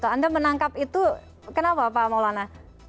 anda menangkap itu kenapa pak maulana